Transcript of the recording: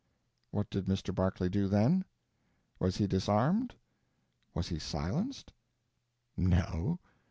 What did Mr. Barclay do then? Was he disarmed? Was he silenced? No.